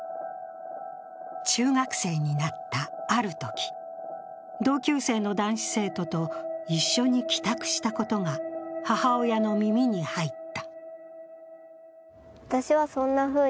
中学生になったあるとき、同級生の男子生徒と一緒に帰宅したことが母親の耳に入った。